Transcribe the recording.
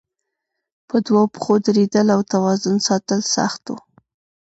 په دوو پښو درېدل او توازن ساتل سخت وو.